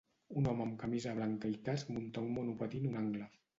Un home amb camisa blanca i casc munta un monopatí en un angle.